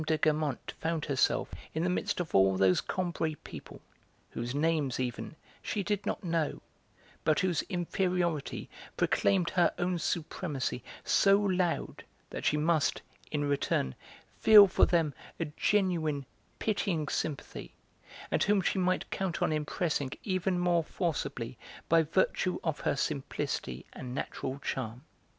de Guermantes found herself in the midst of all those Combray people whose names, even, she did not know, but whose inferiority proclaimed her own supremacy so loud that she must, in return, feel for them a genuine, pitying sympathy, and whom she might count on impressing even more forcibly by virtue of her simplicity and natural charm.